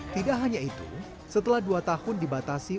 tidak hanya itu setelah dua tahun dibatasi